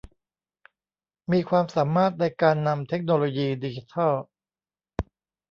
มีความสามารถในการนำเทคโนโลยีดิจิทัล